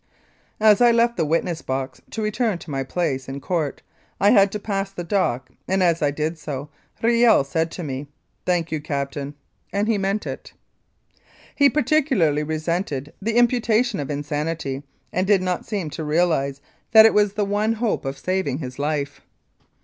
As I left the witness box to return to my place in court, I had to pass the dock, and as I did so Riel said to me, "Thank you, Captain,*' and he meant it. He particularly resented the imputation of insanity, and did not seem to realise that it was the one hope of 222 Louis Kiel: Executed for Treason saving his life.